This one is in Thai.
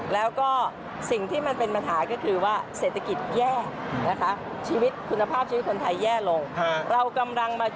แล้วก็สิ่งที่มันเป็นปัญหาก็คือว่าเศรษฐกิจแย่นะคะ